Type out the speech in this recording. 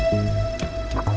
terima kasih pak chandra